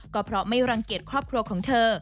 ก็เพราะไม่รังเกียจครอบครัวของเธอ